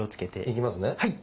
いきますね。